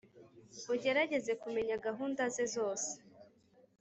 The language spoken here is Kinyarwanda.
ugerageze kumenya gahunda ze zose;